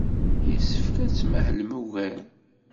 Yessefk ad tmahlem ugar.